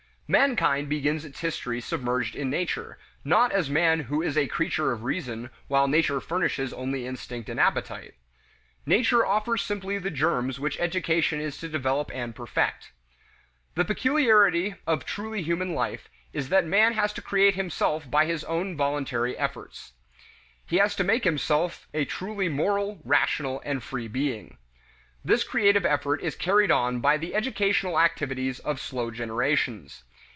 Mankind begins its history submerged in nature not as Man who is a creature of reason, while nature furnishes only instinct and appetite. Nature offers simply the germs which education is to develop and perfect. The peculiarity of truly human life is that man has to create himself by his own voluntary efforts; he has to make himself a truly moral, rational, and free being. This creative effort is carried on by the educational activities of slow generations.